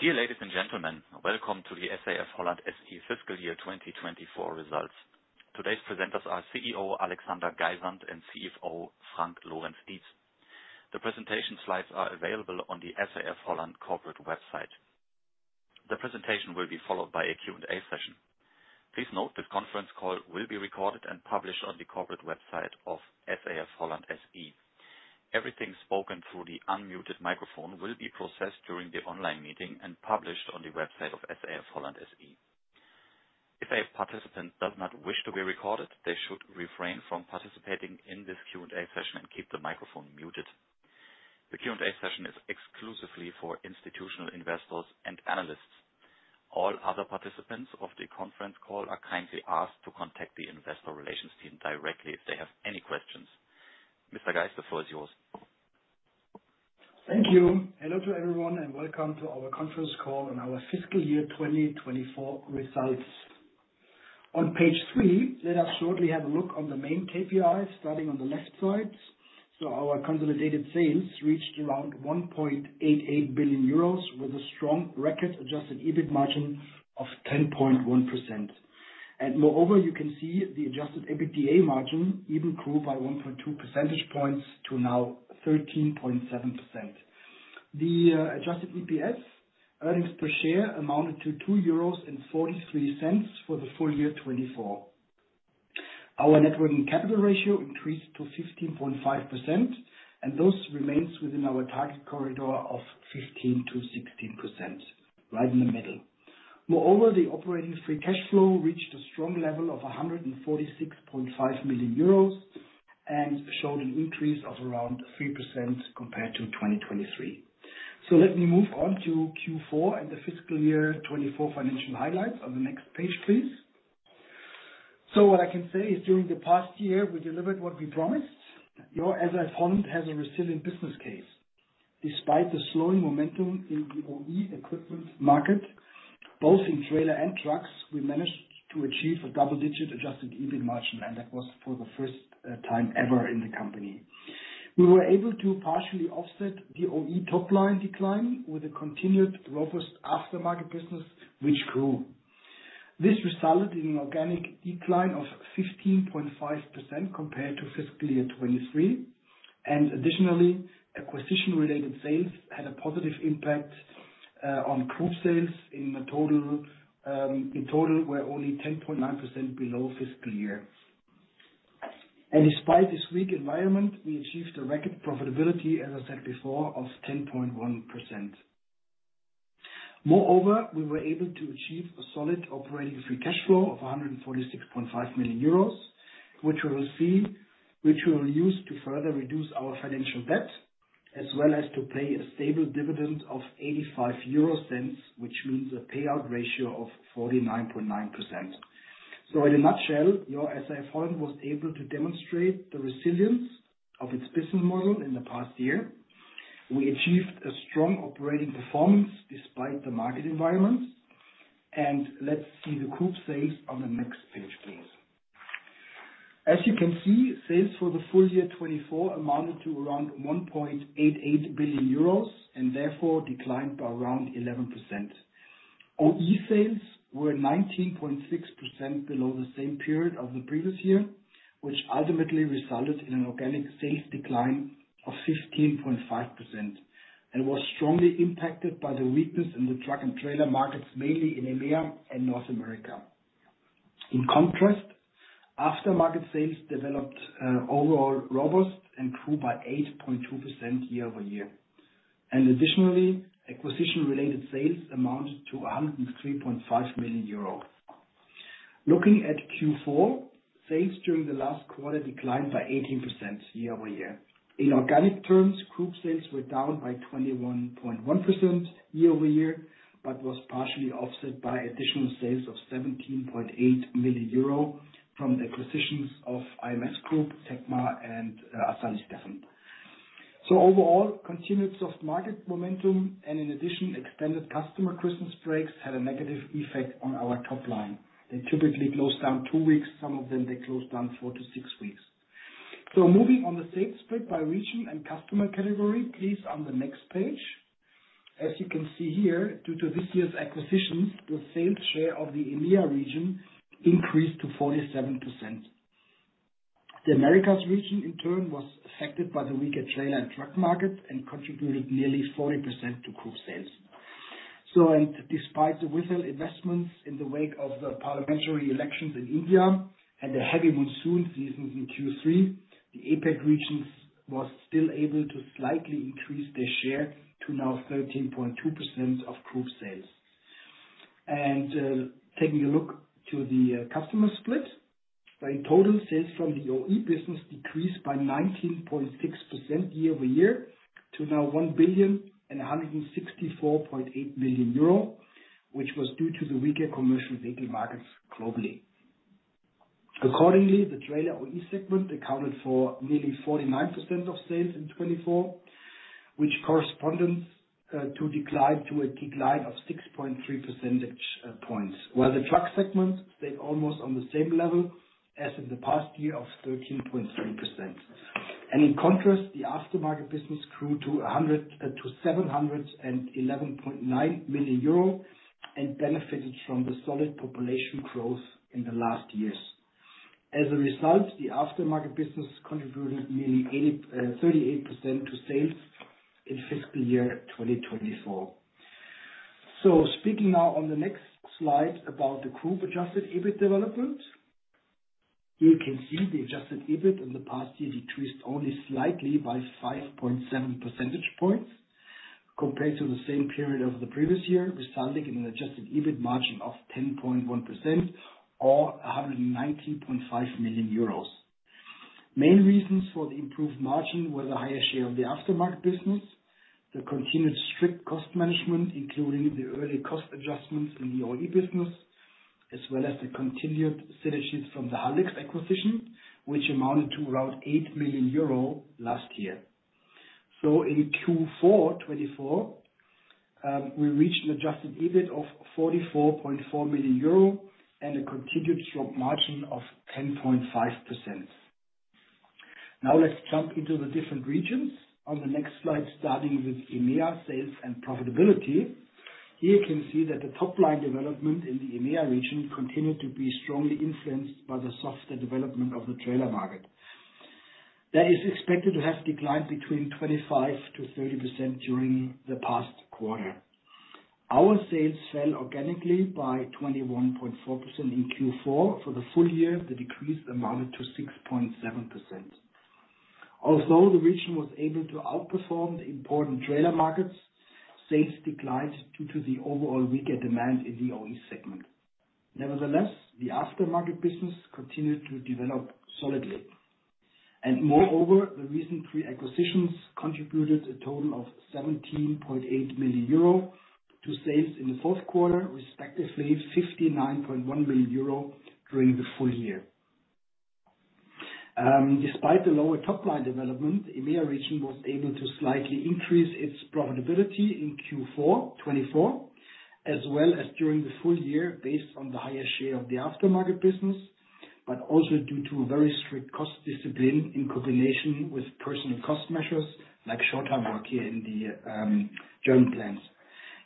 Dear ladies and gentlemen, welcome to the SAF-Holland SE Fiscal Year 2024 results. Today's presenters are CEO Alexander Geis and CFO Frank Lorenz-Dietz. The presentation slides are available on the SAF-Holland corporate website. The presentation will be followed by a Q&A session. Please note this conference call will be recorded and published on the corporate website of SAF-Holland SE. Everything spoken through the unmuted microphone will be processed during the online meeting and published on the website of SAF-Holland SE. If a participant does not wish to be recorded, they should refrain from participating in this Q&A session and keep the microphone muted. The Q&A session is exclusively for institutional investors and analysts. All other participants of the conference call are kindly asked to contact the investor relations team directly if they have any questions. Mr. Geis, the floor is yours. Thank you. Hello to everyone and welcome to our conference call on our fiscal year 2024 results. On page three, let us shortly have a look on the main KPIs starting on the left side. Our consolidated sales reached around 1.88 billion euros with a strong record adjusted EBIT margin of 10.1%. Moreover, you can see the adjusted EBITDA margin even grew by 1.2 percentage points to now 13.7%. The adjusted EPS earnings per share amounted to 2.43 euros for the full year 2024. Our net working capital ratio increased to 15.5%, and thus remains within our target corridor of 15%-16%, right in the middle. Moreover, the operating free cash flow reached a strong level of 146.5 million euros and showed an increase of around 3% compared to 2023. Let me move on to Q4 and the fiscal year 2024 financial highlights on the next page, please. What I can say is during the past year, we delivered what we promised. SAF-Holland has a resilient business case. Despite the slowing momentum in the OE equipment market, both in trailer and trucks, we managed to achieve a double-digit adjusted EBIT margin, and that was for the first time ever in the company. We were able to partially offset the OE top line decline with a continued robust aftermarket business, which grew. This resulted in an organic decline of 15.5% compared to fiscal year 2023. Additionally, acquisition-related sales had a positive impact on group sales in a total where only 10.9% below fiscal year. Despite this weak environment, we achieved a record profitability, as I said before, of 10.1%. Moreover, we were able to achieve a solid operating free cash flow of 146.5 million euros, which we will use to further reduce our financial debt, as well as to pay a stable dividend of 85 million euro, which means a payout ratio of 49.9%. In a nutshell, SAF-Holland was able to demonstrate the resilience of its business model in the past year. We achieved a strong operating performance despite the market environments. Let's see the group sales on the next page, please. As you can see, sales for the full year 2024 amounted to around 1.88 billion euros and therefore declined by around 11%. OE sales were 19.6% below the same period of the previous year, which ultimately resulted in an organic sales decline of 15.5% and was strongly impacted by the weakness in the truck and trailer markets, mainly in EMEA and North America. In contrast, aftermarket sales developed overall robust and grew by 8.2% year-over-year. Additionally, acquisition-related sales amounted to 103.5 million euro. Looking at Q4, sales during the last quarter declined by 18% year-over-year. In organic terms, group sales were down by 21.1% year-over-year, but this was partially offset by additional sales of 17.8 million euro from the acquisitions of IMS Group, TECMA, and Assali Stefen. Overall, continued soft market momentum, and in addition, extended customer Christmas breaks had a negative effect on our top line. They typically close down two weeks; some of them, they close down four to six weeks. Moving on, the sales spread by region and customer category, please, on the next page. As you can see here, due to this year's acquisitions, the sales share of the EMEA region increased to 47%. The Americas region, in turn, was affected by the weaker trailer and truck market and contributed nearly 40% to group sales. Despite the withheld investments in the wake of the parliamentary elections in India and the heavy monsoon seasons in Q3, the APEC regions were still able to slightly increase their share to now 13.2% of group sales. Taking a look to the customer split, in total, sales from the OE business decreased by 19.6% year-over-year to now 1 billion and 164.8 million euro, which was due to the weaker commercial vehicle markets globally. Accordingly, the trailer OE segment accounted for nearly 49% of sales in 2024, which corresponded to a decline of 6.3 percentage points, while the truck segment stayed almost on the same level as in the past year of 13.3%. In contrast, the aftermarket business grew to 711.9 million euro and benefited from the solid population growth in the last years. As a result, the aftermarket business contributed nearly 38% to sales in fiscal year 2024. Speaking now on the next slide about the group adjusted EBIT development, you can see the adjusted EBIT in the past year decreased only slightly by 5.7 percentage points compared to the same period of the previous year, resulting in an adjusted EBIT margin of 10.1% or 119.5 million euros. Main reasons for the improved margin were the higher share of the aftermarket business, the continued strict cost management, including the early cost adjustments in the OE business, as well as the continued sales from the Haldex acquisition, which amounted to around 8 million euro last year. In Q4 2024, we reached an adjusted EBIT of 44.4 million euro and a continued margin of 10.5%. Now let's jump into the different regions on the next slide, starting with EMEA sales and profitability. Here you can see that the top line development in the EMEA region continued to be strongly influenced by the softer development of the trailer market. That is expected to have declined between 25%-30% during the past quarter. Our sales fell organically by 21.4% in Q4. For the full year, the decrease amounted to 6.7%. Although the region was able to outperform the important trailer markets, sales declined due to the overall weaker demand in the OE segment. Nevertheless, the aftermarket business continued to develop solidly. Moreover, the recent three acquisitions contributed a total of 17.8 million euro to sales in the fourth quarter, respectively 59.1 million euro during the full year. Despite the lower top line development, the EMEA region was able to slightly increase its profitability in Q4 2024, as well as during the full year based on the higher share of the aftermarket business, but also due to very strict cost discipline in combination with personnel cost measures like short-term work here in the German plants.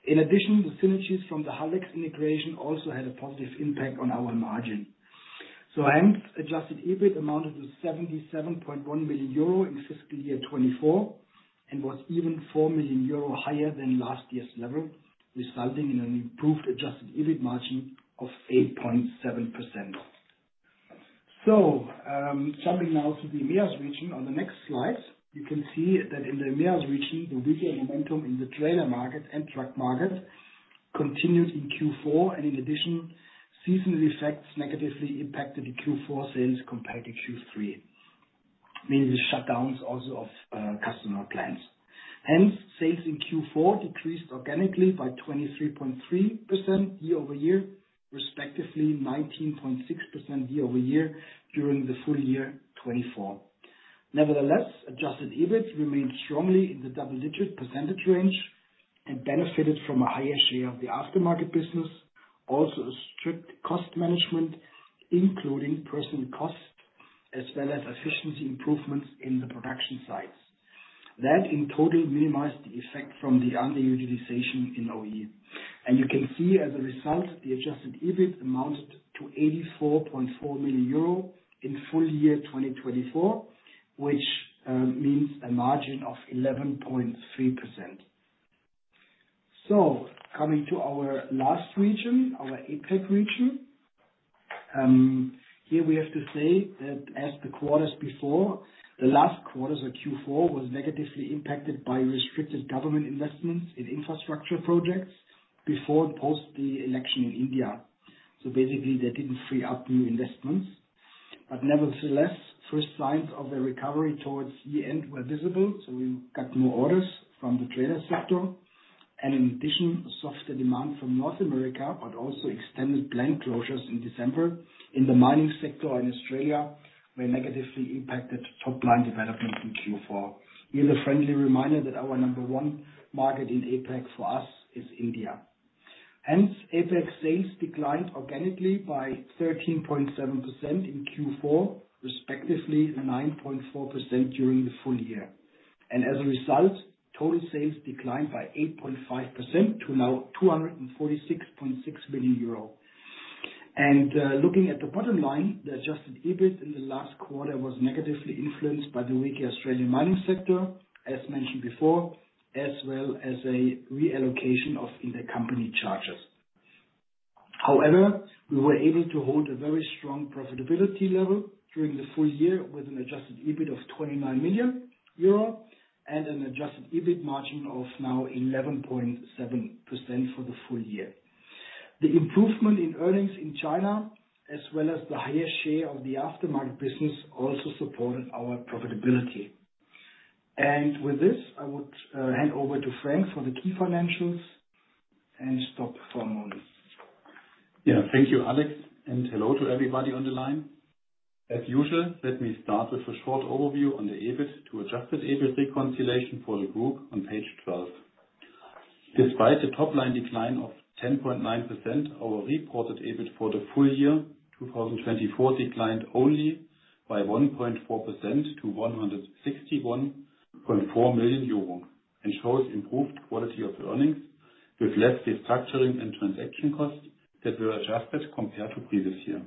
In addition, the synergies from the Haldex integration also had a positive impact on our margin. EMEA's adjusted EBIT amounted to 77.1 million euro in fiscal year 2024 and was even 4 million euro higher than last year's level, resulting in an improved adjusted EBIT margin of 8.7%. Jumping now to the EMEA region on the next slide, you can see that in the EMEA region, the weaker momentum in the trailer market and truck market continued in Q4. In addition, seasonal effects negatively impacted the Q4 sales compared to Q3, mainly shutdowns also of customer plants. Hence, sales in Q4 decreased organically by 23.3% year-over-year, respectively 19.6% year-over-year during the full year 2024. Nevertheless, adjusted EBIT remained strongly in the double-digit percentage range and benefited from a higher share of the aftermarket business, also strict cost management, including personnel costs, as well as efficiency improvements in the production sites. That in total minimized the effect from the underutilization in OE. You can see as a result, the adjusted EBIT amounted to 84.4 million euro in full year 2024, which means a margin of 11.3%. Coming to our last region, our APEC region, here we have to say that as the quarters before, the last quarter of Q4 was negatively impacted by restricted government investments in infrastructure projects before and post the election in India. Basically, they did not free up new investments. Nevertheless, first signs of a recovery towards year-end were visible. We got more orders from the trailer sector. In addition, soft demand from North America, but also extended blank closures in December in the mining sector in Australia, negatively impacted top line development in Q4. Here is a friendly reminder that our number one market in APEC for us is India. Hence, APEC sales declined organically by 13.7% in Q4, respectively 9.4% during the full year. As a result, total sales declined by 8.5% to now 246.6 million euro. Looking at the bottom line, the adjusted EBIT in the last quarter was negatively influenced by the weaker Australian mining sector, as mentioned before, as well as a reallocation of intercompany charges. However, we were able to hold a very strong profitability level during the full year with an adjusted EBIT of 29 million euro and an adjusted EBIT margin of now 11.7% for the full year. The improvement in earnings in China, as well as the higher share of the aftermarket business, also supported our profitability. With this, I would hand over to Frank for the key financials and stop for a moment. Thank you, Alex. Hello to everybody on the line. As usual, let me start with a short overview on the EBIT to adjusted EBIT reconciliation for the group on page 12. Despite the top line decline of 10.9%, our reported EBIT for the full year 2024 declined only by 1.4% to 161.4 million euros and shows improved quality of earnings with less restructuring and transaction costs that were adjusted compared to previous year.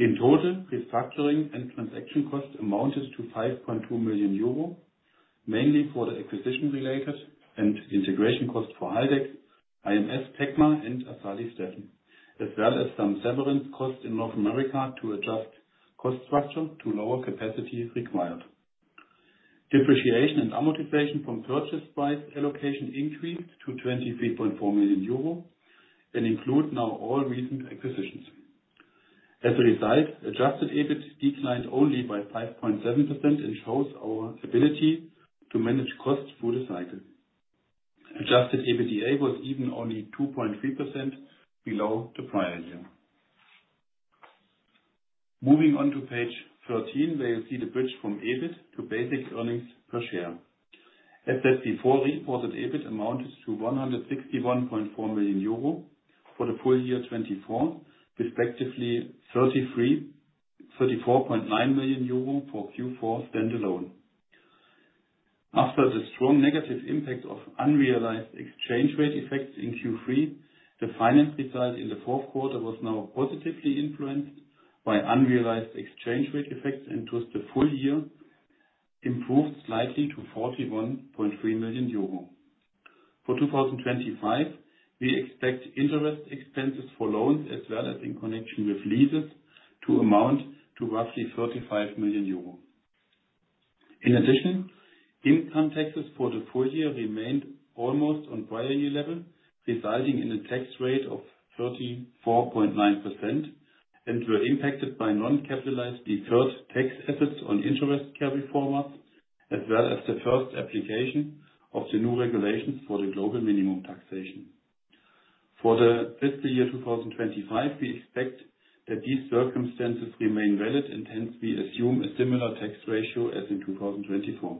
In total, restructuring and transaction costs amounted to 5.2 million euro, mainly for the acquisition-related and integration costs for Haldex, IMS Group, TECMA, and Assali Stefen, as well as some severance costs in North America to adjust cost structure to lower capacity required. Depreciation and amortization from purchase price allocation increased to 23.4 million euro and include now all recent acquisitions. As a result, adjusted EBIT declined only by 5.7% and shows our ability to manage costs through the cycle. Adjusted EBITDA was even only 2.3% below the prior year. Moving on to page 13, where you'll see the bridge from EBIT to basic earnings per share. As said, the before-reported EBIT amounted to 161.4 million euro for the full year 2024, respectively 34.9 million euro for Q4 standalone. After the strong negative impact of unrealized exchange rate effects in Q3, the finance result in the fourth quarter was now positively influenced by unrealized exchange rate effects and through the full year, improved slightly to 41.3 million euro. For 2025, we expect interest expenses for loans, as well as in connection with leases, to amount to roughly 35 million euro. In addition, income taxes for the full year remained almost on prior year level, resulting in a tax rate of 34.9% and were impacted by non-capitalized deferred tax assets on interest carryforwards, as well as the first application of the new regulations for the global minimum taxation. For the fiscal year 2025, we expect that these circumstances remain valid, and hence we assume a similar tax ratio as in 2024.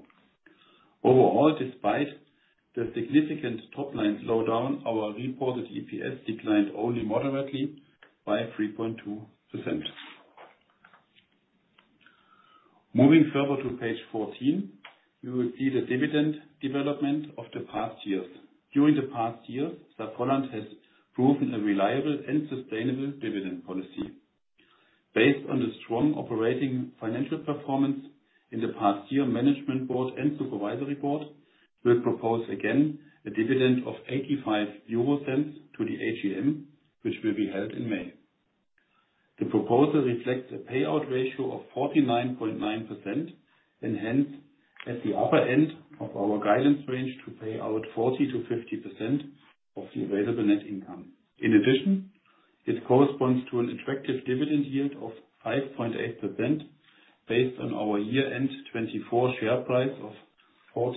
Overall, despite the significant top line slowdown, our reported EPS declined only moderately by 3.2%. Moving further to Page 14, you will see the dividend development of the past years. During the past years, SAF-Holland has proven a reliable and sustainable dividend policy. Based on the strong operating financial performance in the past year, the Management Board and Supervisory Board will propose again a dividend of 0.85 to the AGM, which will be held in May. The proposal reflects a payout ratio of 49.9% and hence at the upper end of our guidance range to pay out 40%-50% of the available net income. In addition, it corresponds to an attractive dividend yield of 5.8% based on our year-end 2024 share price of EUR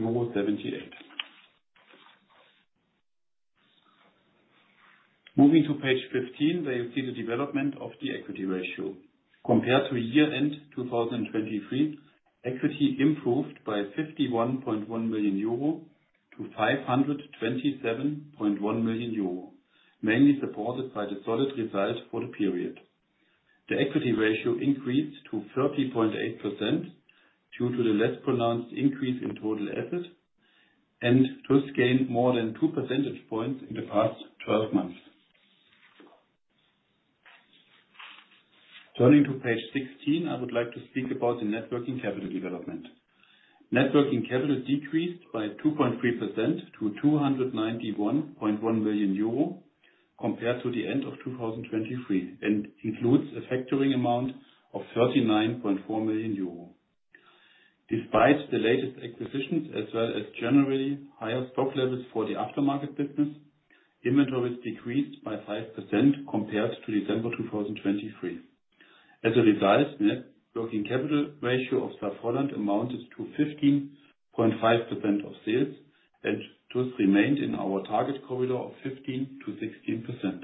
14.78. Moving to Page 15, where you see the development of the equity ratio. Compared to year-end 2023, equity improved by 51.1 million euro to 527.1 million euro, mainly supported by the solid result for the period. The equity ratio increased to 30.8% due to the less pronounced increase in total asset and thus gained more than 2 percentage points in the past 12 months. Turning to page 16, I would like to speak about the net working capital development. Net working capital decreased by 2.3% to 291.1 million euro compared to the end of 2023 and includes a factoring amount of 39.4 million euro. Despite the latest acquisitions, as well as generally higher stock levels for the aftermarket business, inventories decreased by 5% compared to December 2023. As a result, the net working capital ratio of SAF-Holland amounted to 15.5% of sales and thus remained in our target corridor of 15%-16%.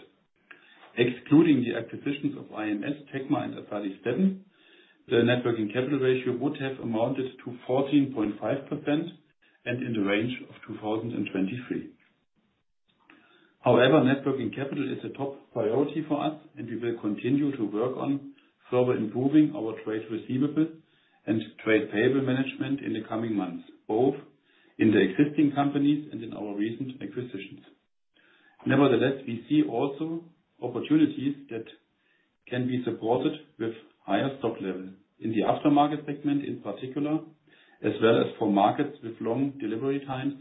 Excluding the acquisitions of IMS, TECMA, and Assali Stefen, the net working capital ratio would have amounted to 14.5% and in the range of 2023. However, net working capital is a top priority for us, and we will continue to work on further improving our trade receivables and trade payable management in the coming months, both in the existing companies and in our recent acquisitions. Nevertheless, we see also opportunities that can be supported with higher stock level in the aftermarket segment in particular, as well as for markets with long delivery times.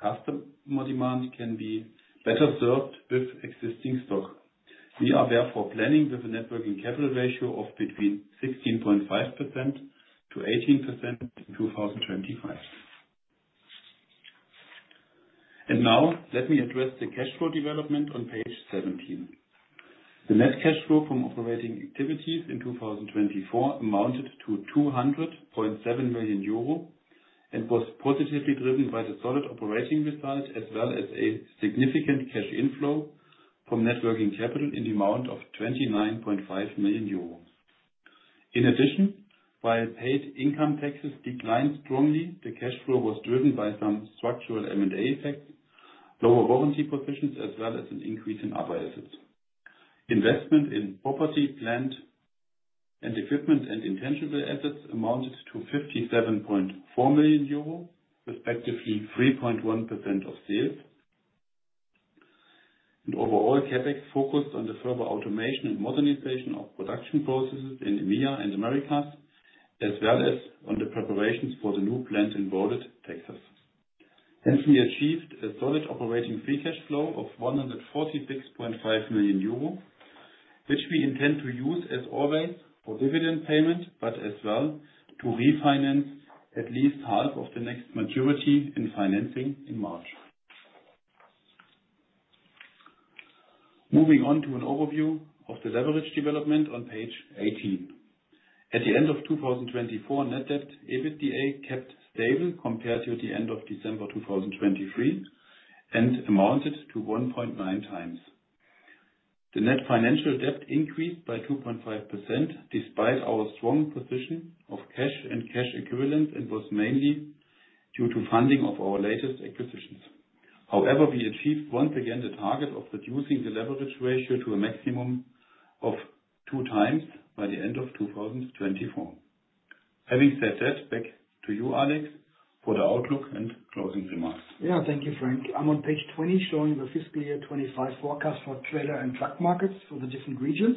Customer demand can be better served with existing stock. We are therefore planning with a net working capital ratio of between 16.5%-18% in 2025. Now let me address the cash flow development on Page 17. The net cash flow from operating activities in 2024 amounted to 200.7 million euro and was positively driven by the solid operating result, as well as a significant cash inflow from net working capital in the amount of 29.5 million euro. In addition, while paid income taxes declined strongly, the cash flow was driven by some structural M&A effects, lower warranty positions, as well as an increase in other assets. Investment in property, plant, and equipment, and intangible assets amounted to 57.4 million euro, respectively 3.1% of sales. Overall, CapEx focused on the further automation and modernization of production processes in EMEA and Americas, as well as on the preparations for the new plant in Rowlett, Texas. Hence, we achieved a solid operating free cash flow of 146.5 million euro, which we intend to use, as always, for dividend payment, but as well to refinance at least half of the next maturity in financing in March. Moving on to an overview of the leverage development on Page 18. At the end of 2024, net debt EBITDA kept stable compared to the end of December 2023 and amounted to 1.9x. The net financial debt increased by 2.5% despite our strong position of cash and cash equivalents, and was mainly due to funding of our latest acquisitions. However, we achieved once again the target of reducing the leverage ratio to a maximum of two times by the end of 2024. Having said that, back to you, Alex, for the outlook and closing remarks. Yeah, thank you, Frank. I'm on Page 20, showing the fiscal year 2025 forecast for trailer and truck markets for the different regions.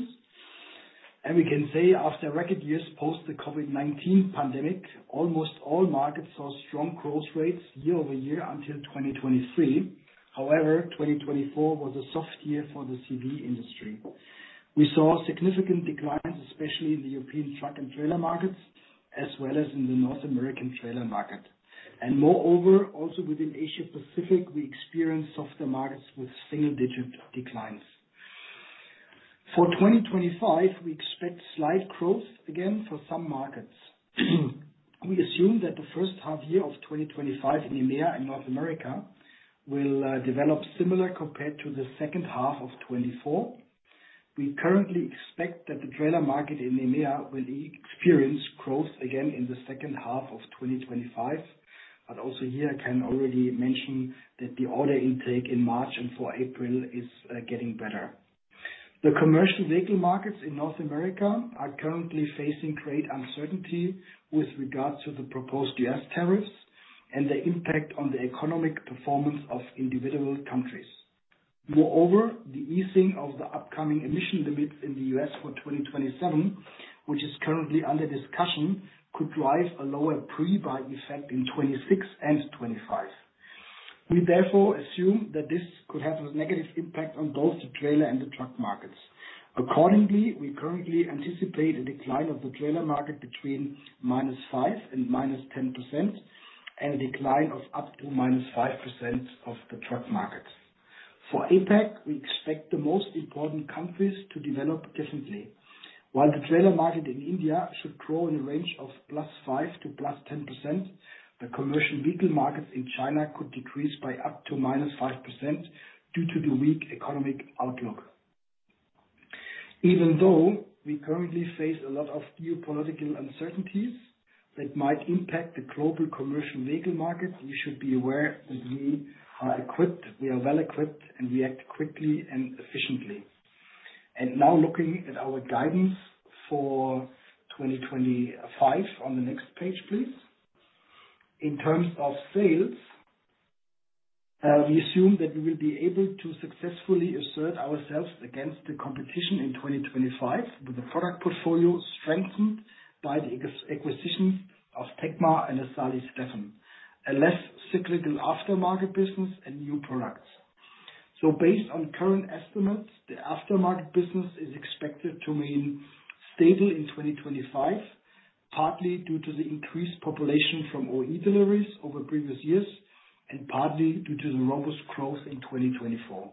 We can say after record years post the COVID-19 pandemic, almost all markets saw strong growth rates year-over-year until 2023. However, 2024 was a soft year for the CV industry. We saw significant declines, especially in the European truck and trailer markets, as well as in the North American trailer market. Moreover, also within Asia-Pacific, we experienced softer markets with single-digit declines. For 2025, we expect slight growth again for some markets. We assume that the first half year of 2025 in EMEA and North America will develop similar compared to the second half of 2024. We currently expect that the trailer market in EMEA will experience growth again in the second half of 2025. Also here, I can already mention that the order intake in March and for April is getting better. The commercial vehicle markets in North America are currently facing great uncertainty with regard to the proposed US tariffs and the impact on the economic performance of individual countries. Moreover, the easing of the upcoming emission limits in the U.S. for 2027, which is currently under discussion, could drive a lower pre-buy effect in 2026 and 2025. We therefore assume that this could have a negative impact on both the trailer and the truck markets. Accordingly, we currently anticipate a decline of the trailer market between -5% and -10% and a decline of up to -5% of the truck markets. For APEC, we expect the most important countries to develop differently. While the trailer market in India should grow in a range of +5% to +10%, the commercial vehicle markets in China could decrease by up to -5% due to the weak economic outlook. Even though we currently face a lot of geopolitical uncertainties that might impact the global commercial vehicle market, we should be aware that we are equipped, we are well-equipped, and we act quickly and efficiently. Now looking at our guidance for 2025 on the next page, please. In terms of sales, we assume that we will be able to successfully assert ourselves against the competition in 2025 with a product portfolio strengthened by the acquisition of TECMA and Assali Stefen, a less cyclical aftermarket business and new products. Based on current estimates, the aftermarket business is expected to remain stable in 2025, partly due to the increased population from OE deliveries over previous years and partly due to the robust growth in 2024.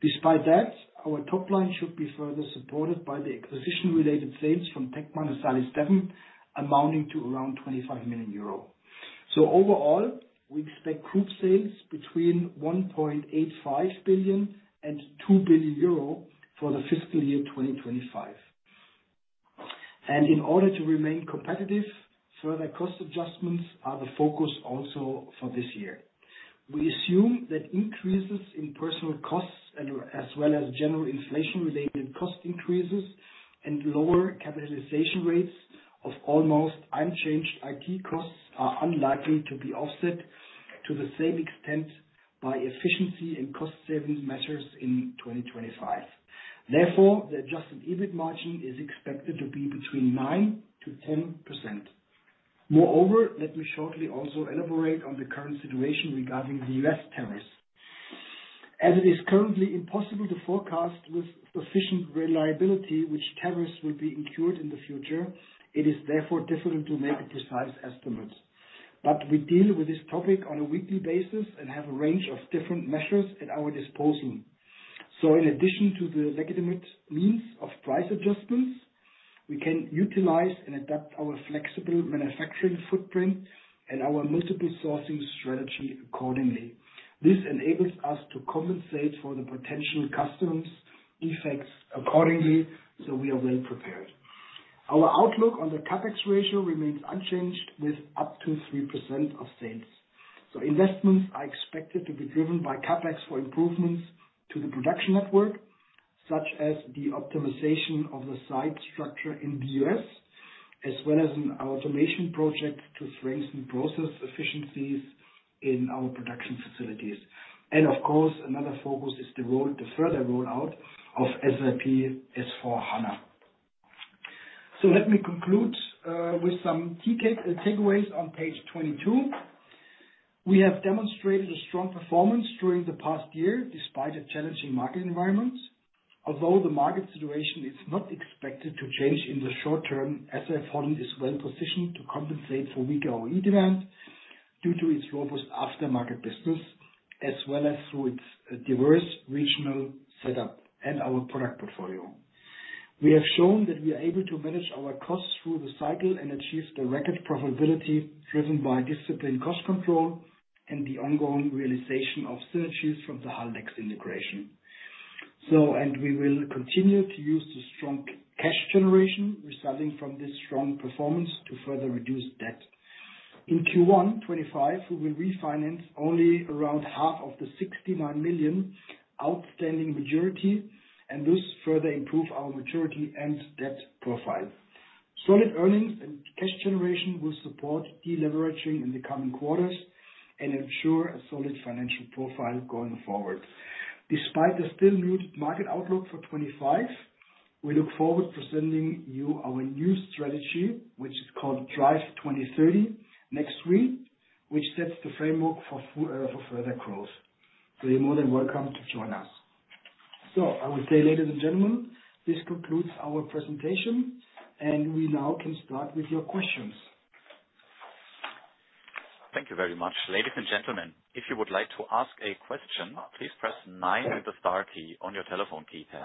Despite that, our top line should be further supported by the acquisition-related sales from TECMA and Assali Stefen, amounting to around 25 million euro. Overall, we expect group sales between 1.85 billion and 2 billion euro for the fiscal year 2025. In order to remain competitive, further cost adjustments are the focus also for this year. We assume that increases in personnel costs, as well as general inflation-related cost increases and lower capitalization rates of almost unchanged IT costs, are unlikely to be offset to the same extent by efficiency and cost-saving measures in 2025. Therefore, the adjusted EBIT margin is expected to be between 9%-10%. Moreover, let me shortly also elaborate on the current situation regarding the U.S. tariffs. As it is currently impossible to forecast with sufficient reliability which tariffs will be incurred in the future, it is therefore difficult to make a precise estimate. We deal with this topic on a weekly basis and have a range of different measures at our disposal. In addition to the legitimate means of price adjustments, we can utilize and adapt our flexible manufacturing footprint and our multiple sourcing strategy accordingly. This enables us to compensate for the potential customs effects accordingly, so we are well prepared. Our outlook on the CapEx ratio remains unchanged with up to 3% of sales. Investments are expected to be driven by CapEx for improvements to the production network, such as the optimization of the site structure in the U.S., as well as an automation project to strengthen process efficiencies in our production facilities. Of course, another focus is the further rollout of SAP S/4HANA. Let me conclude with some takeaways on page 22. We have demonstrated a strong performance during the past year despite a challenging market environment. Although the market situation is not expected to change in the short term, SAF-Holland is well positioned to compensate for weaker OE demand due to its robust aftermarket business, as well as through its diverse regional setup and our product portfolio. We have shown that we are able to manage our costs through the cycle and achieve the record profitability driven by disciplined cost control and the ongoing realization of synergies from the Haldex integration. We will continue to use the strong cash generation resulting from this strong performance to further reduce debt. In Q1 2025, we will refinance only around half of the 69 million outstanding maturity and thus further improve our maturity and debt profile. Solid earnings and cash generation will support deleveraging in the coming quarters and ensure a solid financial profile going forward. Despite the still muted market outlook for 2025, we look forward to presenting you our new strategy, which is called DRIVE 2030 next week, which sets the framework for further growth. You are more than welcome to join us. I would say, ladies and gentlemen, this concludes our presentation, and we now can start with your questions. Thank you very much. Ladies and gentlemen, if you would like to ask a question, please press nine and the star key on your telephone keypad.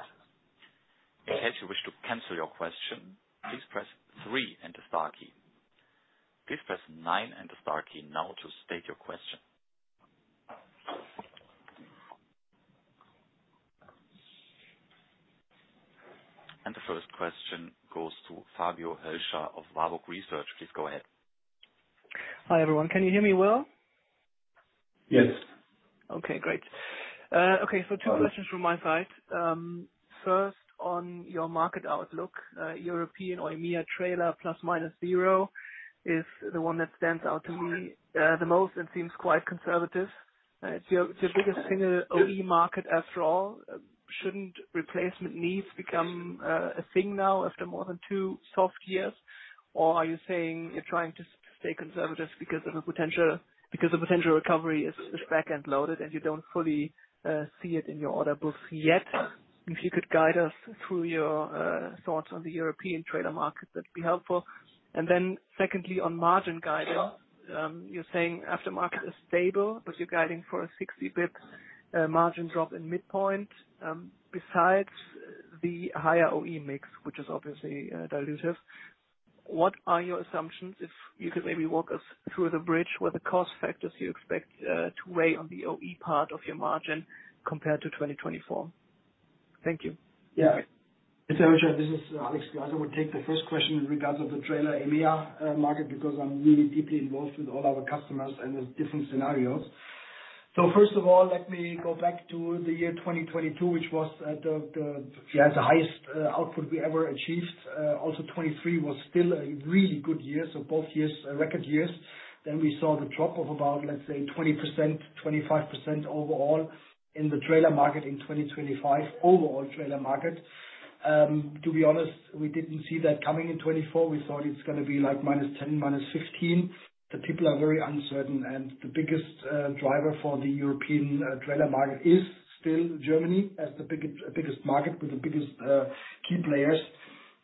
In case you wish to cancel your question, please press three and the star key. Please press nine and the star key now to state your question. The first question goes to Fabio Hölscher of Warburg Research. Please go ahead. Hi everyone. Can you hear me well? Yes. Okay, great. Okay, two questions from my side. First, on your market outlook, European OE EMEA trailer ±0 is the one that stands out to me the most and seems quite conservative. It's your biggest single OE market after all. Shouldn't replacement needs become a thing now after more than two soft years? Are you saying you're trying to stay conservative because the potential recovery is back and loaded and you don't fully see it in your order books yet? If you could guide us through your thoughts on the European trailer market, that'd be helpful. Secondly, on margin guidance, you're saying aftermarket is stable, but you're guiding for a 60 basis point margin drop in midpoint besides the higher OE mix, which is obviously dilutive. What are your assumptions if you could maybe walk us through the bridge with the cost factors you expect to weigh on the OE part of your margin compared to 2024? Thank you. Yeah. It's a pleasure. This is Alexander Geis, would take the first question in regards of the trailer EMEA market because I'm really deeply involved with all our customers and the different scenarios. First of all, let me go back to the year 2022, which was the highest output we ever achieved. Also 2023 was still a really good year, so both years are record years. We saw the drop of about, let's say, 20%-25% overall in the trailer market in 2025, overall trailer market. To be honest, we did not see that coming in 2024. We thought it was going to be like minus 10, minus 15. The people are very uncertain. The biggest driver for the European trailer market is still Germany as the biggest market with the biggest key players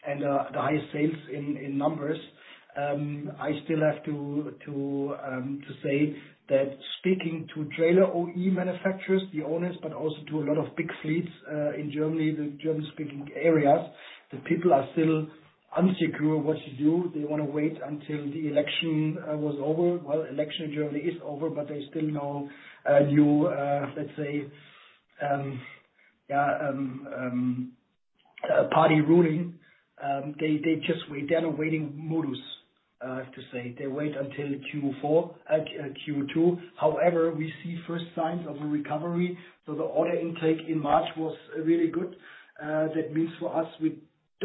and the highest sales in numbers. I still have to say that speaking to trailer OE manufacturers, the owners, but also to a lot of big fleets in Germany, the German-speaking areas, the people are still unsecure what to do. They want to wait until the election was over. The election in Germany is over, but they still know a new, let's say, party ruling. They just wait. They're in a waiting modus, I have to say. They wait until Q2. However, we see first signs of a recovery. The order intake in March was really good. That means for us,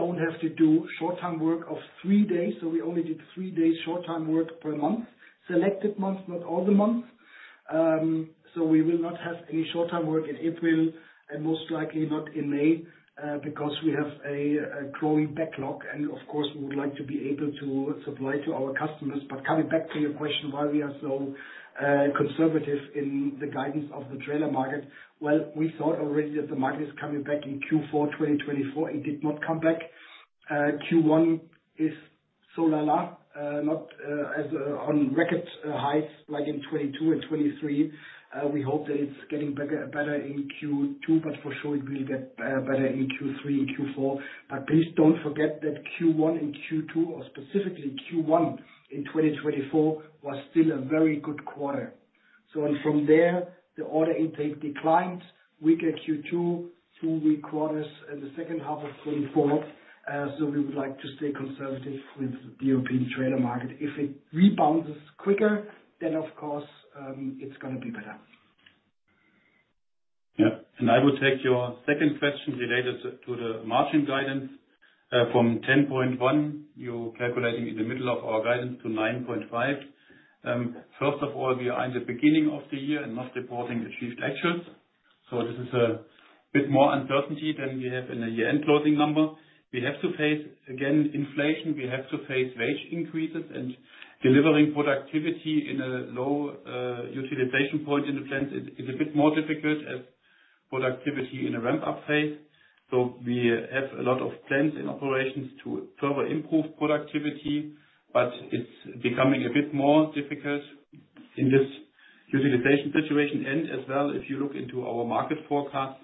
we don't have to do short-term work of three days. We only did three days short-term work per month, selected months, not all the months. We will not have any short-term work in April and most likely not in May because we have a growing backlog. Of course, we would like to be able to supply to our customers. Coming back to your question, why we are so conservative in the guidance of the trailer market, we thought already that the market is coming back in Q4 2024. It did not come back. Q1 is so la la, not on record highs like in 2022 and 2023. We hope that it's getting better in Q2, but for sure, it will get better in Q3 and Q4. Please don't forget that Q1 and Q2, or specifically Q1 in 2024, was still a very good quarter. From there, the order intake declined, weaker Q2, two weak quarters in the second half of 2024. We would like to stay conservative with the European trailer market. If it rebounds quicker, then of course, it's going to be better. Yeah. I would take your second question related to the margin guidance. From 10.1, you're calculating in the middle of our guidance to 9.5. First of all, we are in the beginning of the year and not reporting achieved actions. This is a bit more uncertainty than we have in the year-end closing number. We have to face, again, inflation. We have to face wage increases and delivering productivity in a low utilization point in the plants is a bit more difficult as productivity in a ramp-up phase. We have a lot of plans in operations to further improve productivity, but it's becoming a bit more difficult in this utilization situation. If you look into our market forecasts,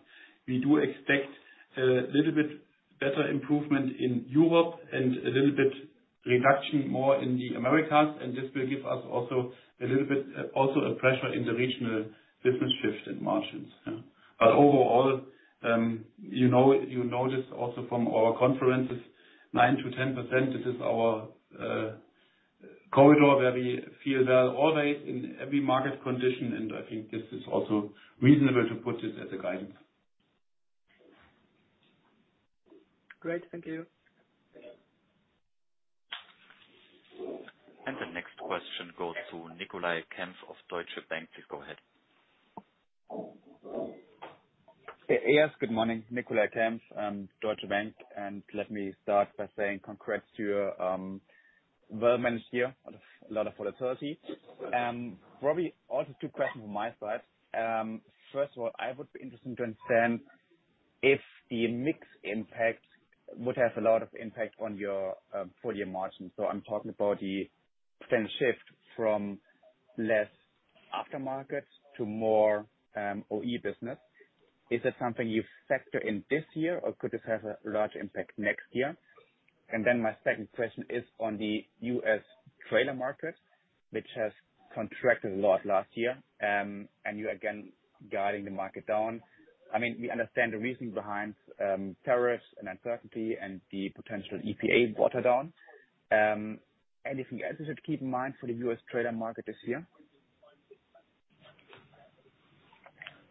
we do expect a little bit better improvement in Europe and a little bit reduction more in the Americas. This will give us also a little bit also a pressure in the regional business shift and margins. Overall, you know this also from our conferences, 9%-10%. This is our corridor where we feel well always in every market condition. I think this is also reasonable to put this as a guidance. Great. Thank you. The next question goes to Nicolai Kempf of Deutsche Bank. Please go ahead. Yes. Good morning. Nicolai Kempf, Deutsche Bank. Let me start by saying congrats to your well-managed year, a lot of volatility. Probably also two questions from my side. First of all, I would be interested to understand if the mixed impact would have a lot of impact on your full-year margin. So I'm talking about the potential shift from less aftermarket to more OE business. Is that something you factor in this year, or could this have a large impact next year? My second question is on the U.S. trailer market, which has contracted a lot last year, and you're again guiding the market down. I mean, we understand the reasoning behind tariffs and uncertainty and the potential EPA water down. Anything else you should keep in mind for the U.S. trailer market this year?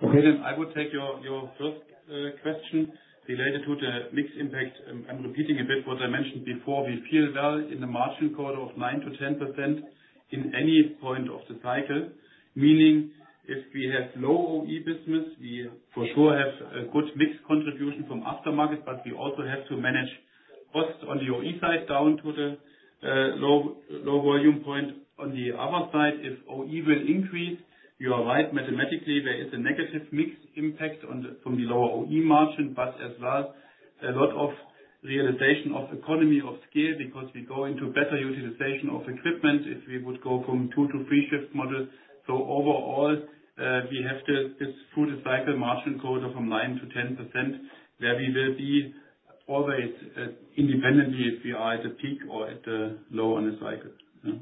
Okay. I would take your first question related to the mixed impact. I'm repeating a bit what I mentioned before. We feel well in the margin quarter of 9%-10% in any point of the cycle, meaning if we have low OE business, we for sure have a good mixed contribution from aftermarket, but we also have to manage cost on the OE side down to the low volume point. On the other side, if OE will increase, you are right, mathematically, there is a negative mixed impact from the lower OE margin, but as well, a lot of realization of economy of scale because we go into better utilization of equipment if we would go from two to three shift model. Overall, we have this full-cycle margin quarter from 9%-10% where we will be always independently if we are at the peak or at the low on the cycle.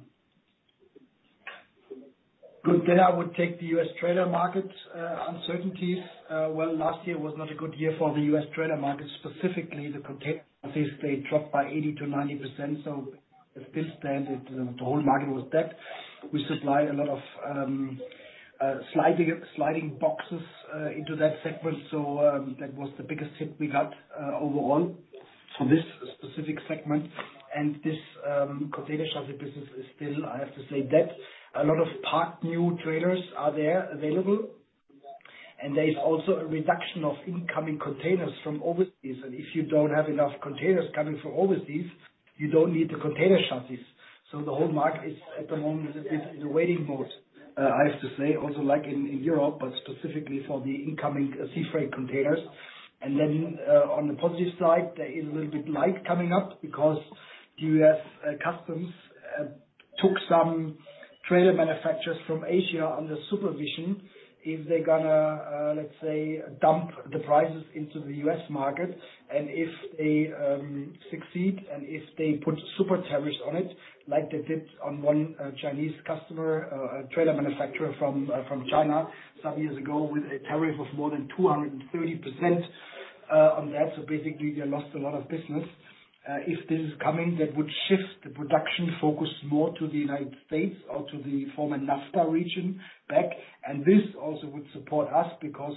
Good. I would take the U.S. trailer market uncertainties. Last year was not a good year for the US trailer market, specifically the container market. They dropped by 80%-90%. Still standard, the whole market was dead. We supplied a lot of sliding boxes into that segment. That was the biggest hit we got overall for this specific segment. This container shuttle business is still, I have to say, dead. A lot of part new trailers are there available. There is also a reduction of incoming containers from overseas. If you do not have enough containers coming from overseas, you do not need the container shuttles. The whole market is at the moment a bit in the waiting mode, I have to say, also like in Europe, but specifically for the incoming seafreight containers. On the positive side, there is a little bit light coming up because the U.S. customs took some trailer manufacturers from Asia under supervision if they are going to, let's say, dump the prices into the U.S. market. If they succeed and if they put super tariffs on it, like they did on one Chinese customer, a trailer manufacturer from China some years ago with a tariff of more than 230% on that, basically, they lost a lot of business. If this is coming, that would shift the production focus more to the United States or to the former NAFTA region back. This also would support us because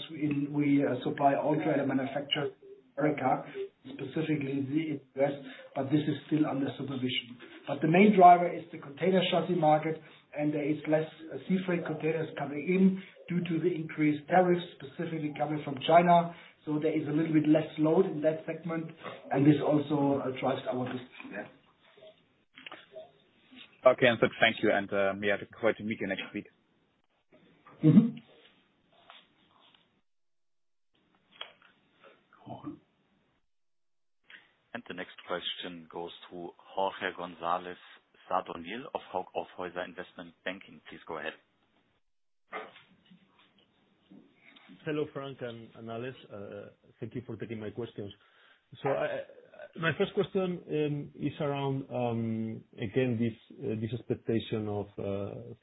we supply all trailer manufacturers in America, specifically in the U.S., but this is still under supervision. The main driver is the container shuttle market, and there is less seafreight containers coming in due to the increased tariffs, specifically coming from China. There is a little bit less load in that segment. This also drives our business there. Thank you. Yeah, looking forward to meet you next week. The next question goes to Jorge González-Sadornil of Hauck Aufhäuser Investment Banking. Please go ahead. Hello, Frank and Alex. Thank you for taking my questions. My first question is around, again, this expectation of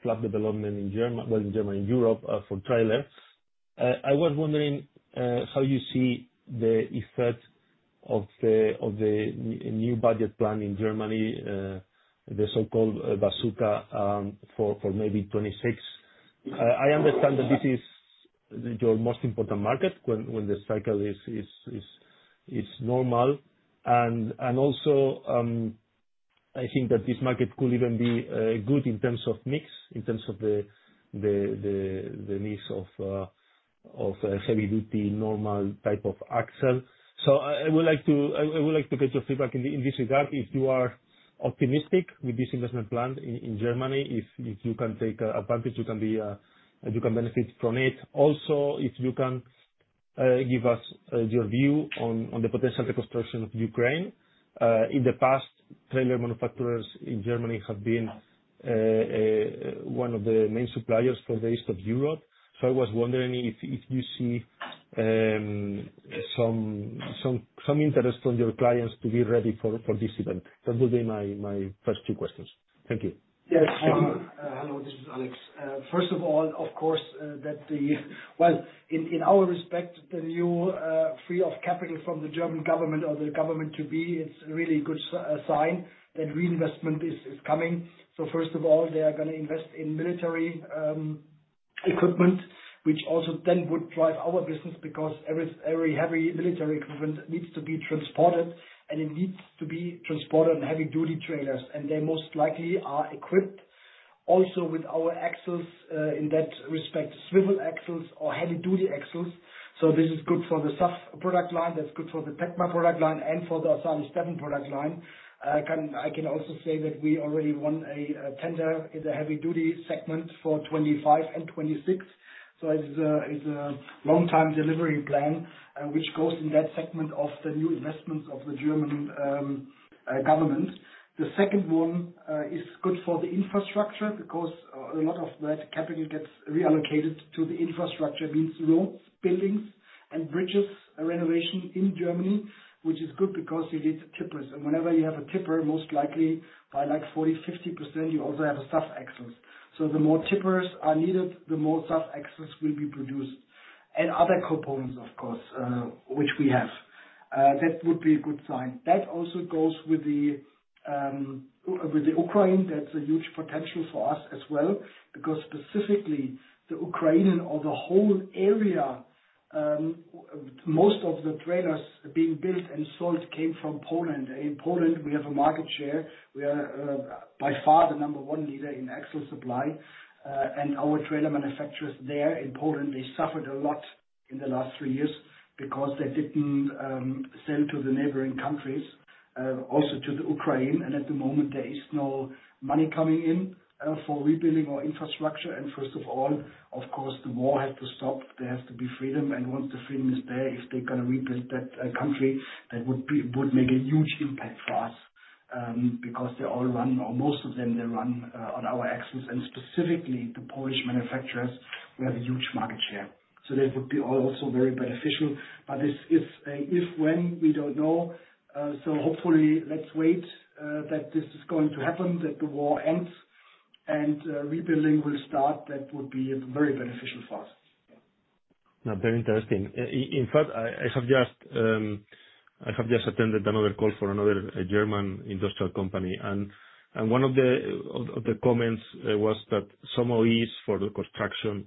flat development in Germany, in Germany, in Europe for trailers. I was wondering how you see the effect of the new budget plan in Germany, the so-called bazooka for maybe 2026. I understand that this is your most important market when the cycle is normal. I also think that this market could even be good in terms of mix, in terms of the needs of heavy-duty, normal type of axle. I would like to get your feedback in this regard if you are optimistic with this investment plan in Germany, if you can take advantage, you can benefit from it. Also, if you can give us your view on the potential reconstruction of Ukraine. In the past, trailer manufacturers in Germany have been one of the main suppliers for the rest of Europe. I was wondering if you see some interest from your clients to be ready for this event. That would be my first two questions. Thank you. Yes. Hello. This is Alex. First of all, of course, in our respect, the new free of capital from the German government or the government-to-be, it's a really good sign that reinvestment is coming. First of all, they are going to invest in military equipment, which also then would drive our business because every heavy military equipment needs to be transported and it needs to be transported on heavy-duty trailers. They most likely are equipped also with our axles in that respect, swivel axles or heavy-duty axles. This is good for the SAF product line. That is good for the TECMA product line and for the Assali Stefen product line. I can also say that we already won a tender in the heavy-duty segment for 2025 and 2026. It is a long-time delivery plan, which goes in that segment of the new investments of the German government. The second one is good for the infrastructure because a lot of that capital gets reallocated to the infrastructure, meaning roads, buildings, and bridges renovation in Germany, which is good because you need tippers. Whenever you have a tipper, most likely by like 40%-50%, you also have SAF axles. The more tippers are needed, the more SAF axles will be produced. Other components, of course, which we have. That would be a good sign. That also goes with the Ukraine. That is a huge potential for us as well because specifically the Ukraine and the whole area, most of the trailers being built and sold came from Poland. In Poland, we have a market share. We are by far the number one leader in axle supply. Our trailer manufacturers there in Poland, they suffered a lot in the last three years because they did not sell to the neighboring countries, also to the Ukraine. At the moment, there is no money coming in for rebuilding or infrastructure. First of all, of course, the war has to stop. There has to be freedom. Once the freedom is there, if they are going to rebuild that country, that would make a huge impact for us because they all run, or most of them, they run on our axles. Specifically, the Polish manufacturers, we have a huge market share. That would be also very beneficial. This is an if, when, we do not know. Hopefully, let us wait that this is going to happen, that the war ends, and rebuilding will start. That would be very beneficial for us. Yeah. Very interesting. In fact, I have just attended another call for another German industrial company. One of the comments was that some OEs for the construction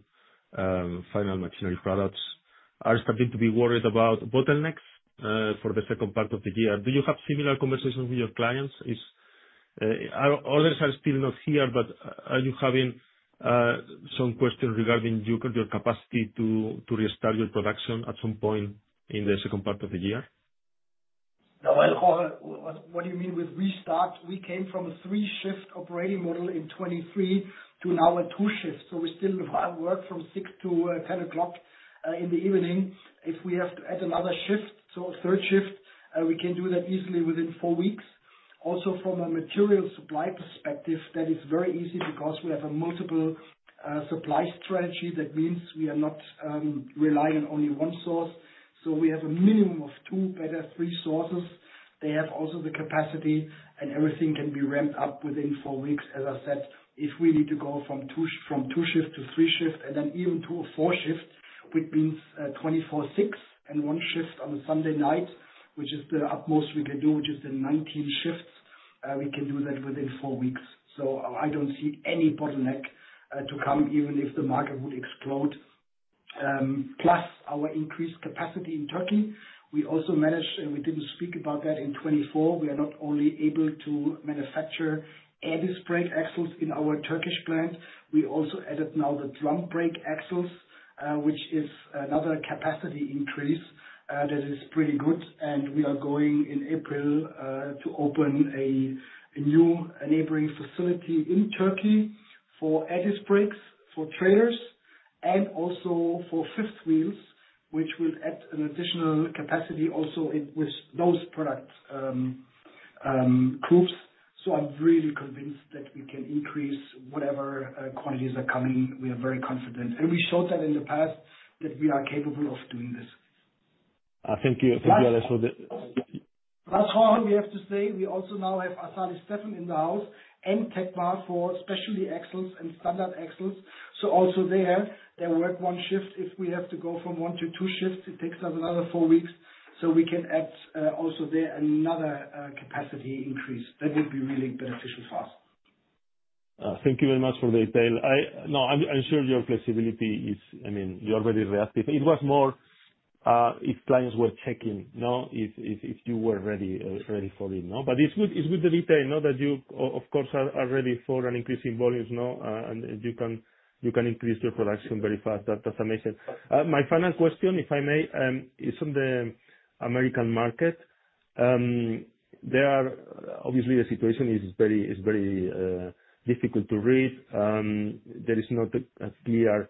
final machinery products are starting to be worried about bottlenecks for the second part of the year. Do you have similar conversations with your clients? Others are still not here, but are you having some questions regarding your capacity to restart your production at some point in the second part of the year? No, Jorge, what do you mean with restart? We came from a three-shift operating model in 2023 to now a two-shift. We still work from 6:00 A.M. to 10:00 P.M. If we have to add another shift, so a third shift, we can do that easily within four weeks. Also, from a material supply perspective, that is very easy because we have a multiple supply strategy. That means we are not relying on only one source. We have a minimum of two, better three sources. They have also the capacity, and everything can be ramped up within four weeks. As I said, if we need to go from two-shift to three-shift and then even to a four-shift, which means 24/6 and one shift on a Sunday night, which is the utmost we can do, which is the 19 shifts, we can do that within four weeks. I do not see any bottleneck to come, even if the market would explode. Plus our increased capacity in Turkey. We also managed, and we did not speak about that in 2024. We are not only able to manufacture Air Disc brake axles in our Turkish plant. We also added now the drum brake axles, which is another capacity increase that is pretty good. We are going in April to open a new neighboring facility in Turkey for Air Disc brakes for trailers and also for fifth wheels, which will add an additional capacity also with those product groups. I'm really convinced that we can increase whatever quantities are coming. We are very confident. We showed that in the past that we are capable of doing this. Thank you. Thank you, Alex. Last one, we have to say we also now have Assali Stefen in the house and TECMA for specialty axles and standard axles. Also there, they work one shift. If we have to go from one to two shifts, it takes us another four weeks. We can add also there another capacity increase. That would be really beneficial for us. Thank you very much for the detail. No, I'm sure your flexibility is, I mean, you're very reactive. It was more if clients were checking, if you were ready for it. It is good to be there that you, of course, are ready for an increase in volumes, and you can increase your production very fast. That is amazing. My final question, if I may, is on the American market. Obviously, the situation is very difficult to read. There is not a clear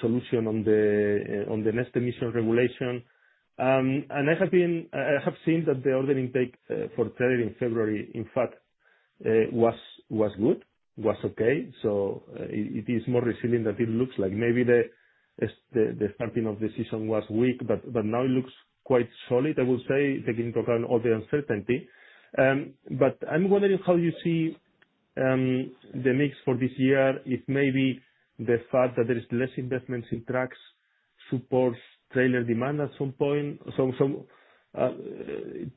solution on the NHTSA emission regulation. I have seen that the ordering take for trailer in February, in fact, was good, was okay. It is more resilient than it looks like. Maybe the starting of the season was weak, but now it looks quite solid, I would say, taking into account all the uncertainty. I am wondering how you see the mix for this year, if maybe the fact that there is less investment in trucks supports trailer demand at some point.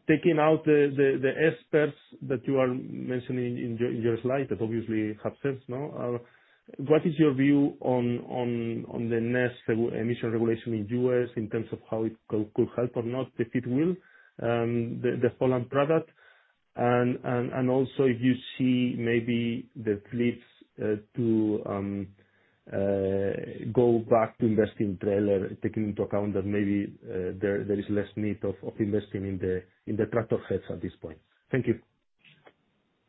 Taking out the aspects that you are mentioning in your slide, that obviously have sense. What is your view on the NHTSA emission regulation in the U.S. in terms of how it could help or not, if it will, the Holland product? Also, if you see maybe the leaps to go back to invest in trailer, taking into account that maybe there is less need of investing in the tractor heads at this point. Thank you.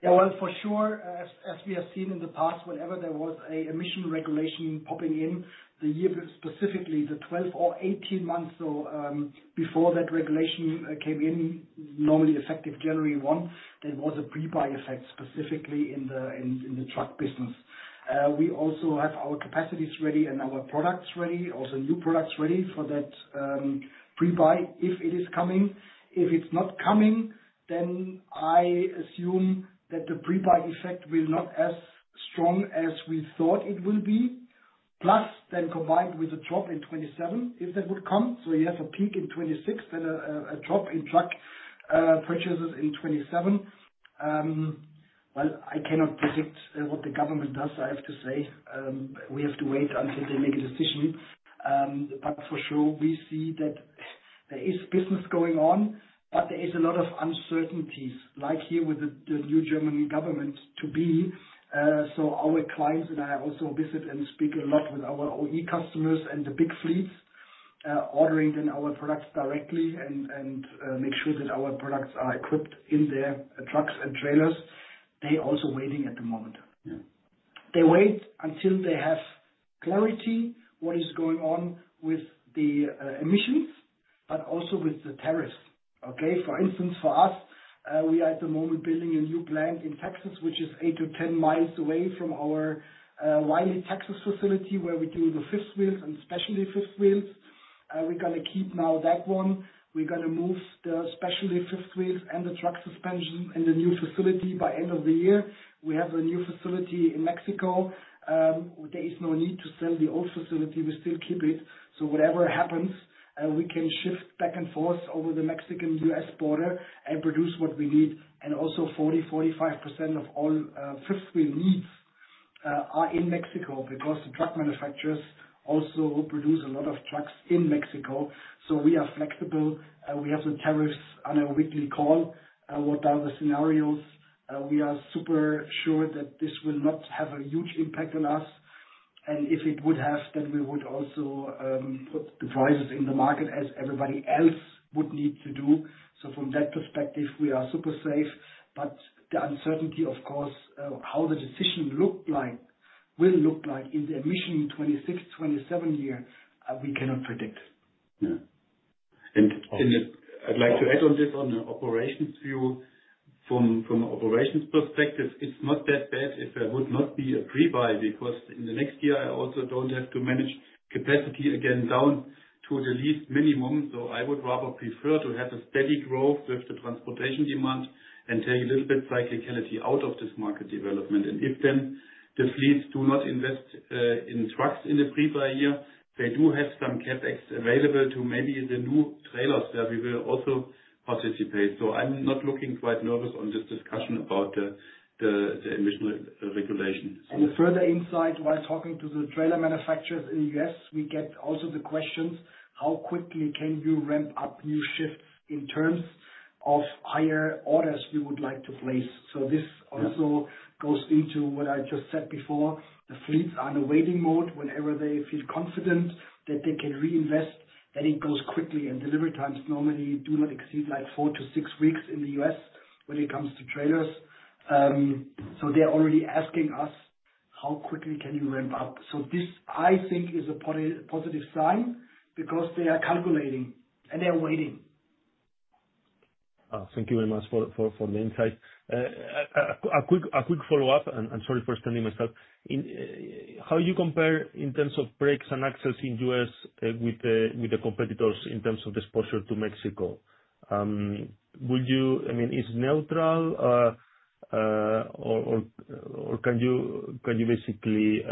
Yeah. For sure, as we have seen in the past, whenever there was an emission regulation popping in, the year, specifically the 12 or 18 months before that regulation came in, normally effective January 1, there was a pre-buy effect specifically in the truck business. We also have our capacities ready and our products ready, also new products ready for that pre-buy if it is coming. If it's not coming, then I assume that the pre-buy effect will not be as strong as we thought it will be. Plus then combined with a drop in 2027, if that would come. You have a peak in 2026, then a drop in truck purchases in 2027. I cannot predict what the government does, I have to say. We have to wait until they make a decision. For sure, we see that there is business going on, but there is a lot of uncertainties, like here with the new German government-to-be. Our clients and I also visit and speak a lot with our OE customers and the big fleets, ordering then our products directly and make sure that our products are equipped in their trucks and trailers. They're also waiting at the moment. They wait until they have clarity on what is going on with the emissions, but also with the tariffs. Okay? For instance, for us, we are at the moment building a new plant in Texas, which is 8-10 miles away from our Wylie, Texas facility where we do the fifth wheels and specialty fifth wheels. We're going to keep now that one. We're going to move the specialty fifth wheels and the truck suspension in the new facility by end of the year. We have a new facility in Mexico. There is no need to sell the old facility. We still keep it. Whatever happens, we can shift back and forth over the Mexican-U.S. border and produce what we need. Also, 40%-45% of all fifth wheel needs are in Mexico because the truck manufacturers also produce a lot of trucks in Mexico. We are flexible. We have the tariffs on a weekly call, what are the scenarios. We are super sure that this will not have a huge impact on us. If it would have, then we would also put the prices in the market as everybody else would need to do. From that perspective, we are super safe. The uncertainty, of course, is how the decision will look like in the emission 2026, 2027 year, we cannot predict. Yeah. I would like to add on this on the operations view. From an operations perspective, it is not that bad if there would not be a pre-buy because in the next year, I also do not have to manage capacity again down to the least minimum. I would rather prefer to have a steady growth with the transportation demand and take a little bit of cyclicality out of this market development. If then the fleets do not invest in trucks in the pre-buy year, they do have some CapEx available to maybe the new trailers that we will also participate. I am not looking quite nervous on this discussion about the emission regulation. Further insight while talking to the trailer manufacturers in the U.S., we get also the questions, how quickly can you ramp up new shifts in terms of higher orders you would like to place? This also goes into what I just said before. The fleets are in a waiting mode. Whenever they feel confident that they can reinvest, then it goes quickly. Delivery times normally do not exceed four to six weeks in the U.S. when it comes to trailers. They are already asking us, how quickly can you ramp up? This, I think, is a positive sign because they are calculating and they're waiting. Thank you very much for the insight. A quick follow-up, and sorry for repeating myself. How do you compare in terms of brakes and axles in the U.S. with the competitors in terms of exposure to Mexico? I mean, is it neutral, or can you basically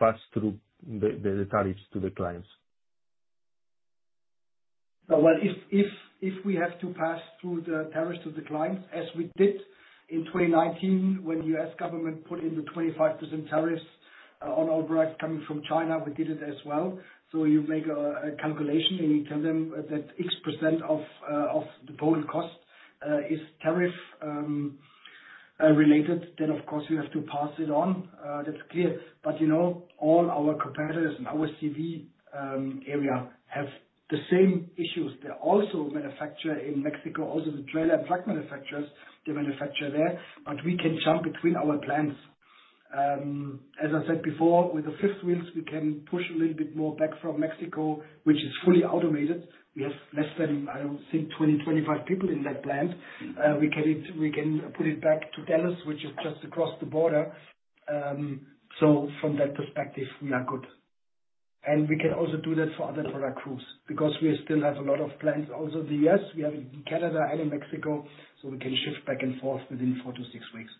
pass through the tariffs to the clients? If we have to pass through the tariffs to the clients, as we did in 2019 when the U.S. government put in the 25% tariffs on all brakes coming from China, we did it as well. You make a calculation and you tell them that X% of the total cost is tariff-related, then of course you have to pass it on. That is clear. All our competitors in our CV area have the same issues. They also manufacture in Mexico, also the trailer and truck manufacturers, they manufacture there. We can jump between our plants. As I said before, with the fifth wheels, we can push a little bit more back from Mexico, which is fully automated. We have less than, I do not think, 20-25 people in that plant. We can put it back to Dallas, which is just across the border. From that perspective, we are good. We can also do that for other product groups because we still have a lot of plants also in the U.S. We have it in Canada and in Mexico. We can shift back and forth within four to six weeks.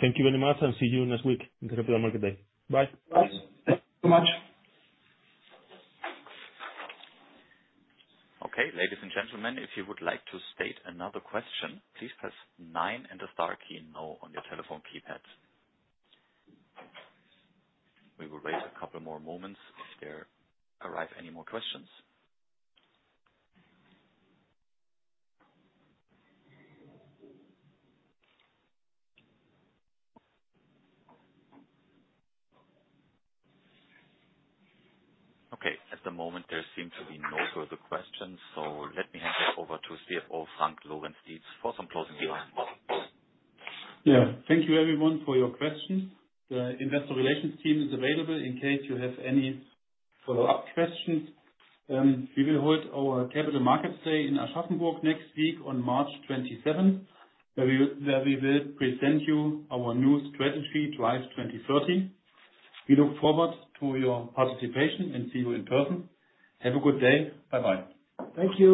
Thank you very much, and see you next week in person on Capital Markets Day. Bye. Thank you so much. Okay. Ladies and gentlemen, if you would like to state another question, please press nine and the star key now on your telephone keypad. We will wait a couple more moments if there arrive any more questions. Okay. At the moment, there seems to be no further questions. Let me hand it over to CFO Frank Lorenz-Dietz for some closing remarks. Yeah. Thank you, everyone, for your questions. The investor relations team is available in case you have any follow-up questions. We will hold our Capital Markets Day in Aschaffenburg next week on March 27th, where we will present you our new strategy, Drive 2030. We look forward to your participation and see you in person. Have a good day. Bye-bye. Thank you.